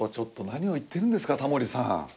何を言ってるんですかタモリさん。